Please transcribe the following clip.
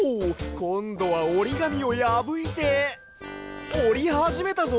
こんどはおりがみをやぶいておりはじめたぞ。